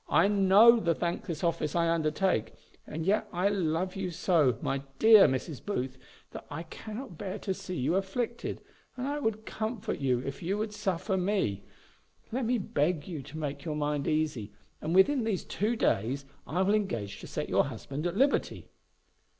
I know the thankless office I undertake; and yet I love you so, my dear Mrs. Booth, that I cannot bear to see you afflicted, and I would comfort you if you would suffer me. Let me beg you to make your mind easy; and within these two days I will engage to set your husband at liberty.